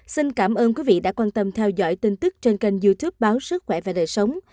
xin cảm ơn quý vị đã quan tâm theo dõi tin tức trên kênh youtube báo sức khỏe và đời sống